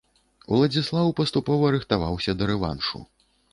Уладзіслаў паступова рыхтаваўся да рэваншу.